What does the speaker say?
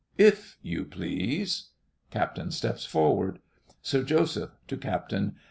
If you please. (CAPTAIN steps forward.) SIR JOSEPH (to CAPTAIN).